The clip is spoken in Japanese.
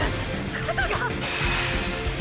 肩が！！